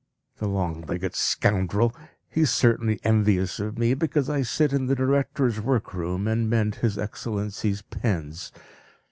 The long legged scoundrel! He is certainly envious of me, because I sit in the director's work room, and mend His Excellency's pens.